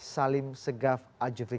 salim segahwal jufri